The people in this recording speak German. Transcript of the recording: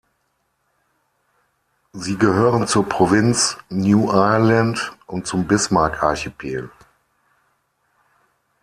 Sie gehören zur Provinz New Ireland und zum Bismarck-Archipel.